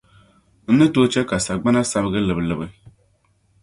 N ni tooi chɛ ka sagbana sabigi libilibi.